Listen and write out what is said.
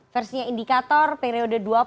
versinya indikator periode dua puluh